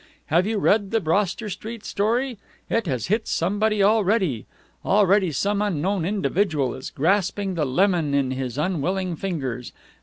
Have you read the Broster Street story? It has hit somebody already. Already some unknown individual is grasping the lemon in his unwilling fingers.